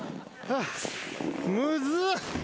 むずっ。